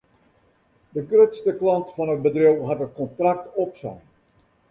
De grutste klant fan it bedriuw hat it kontrakt opsein.